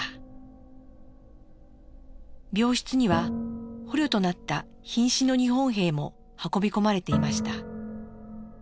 病室には捕虜となったひん死の日本兵も運び込まれていました。